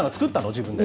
自分で。